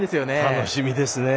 楽しみですね。